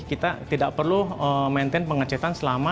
kita tidak perlu maintain pengecekan selama